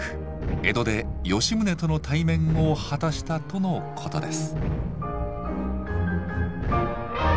江戸で吉宗との対面を果たしたとのことです。